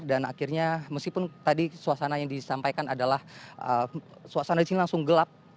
dan akhirnya meskipun tadi suasana yang disampaikan adalah suasana di sini langsung gelap